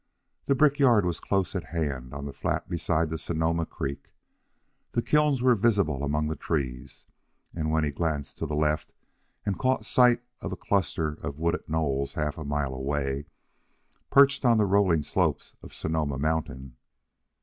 The brickyard was close at hand on the flat beside the Sonoma Creek. The kilns were visible among the trees, when he glanced to the left and caught sight of a cluster of wooded knolls half a mile away, perched on the rolling slopes of Sonoma Mountain.